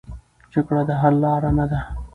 جګړه د حل لاره نه ده.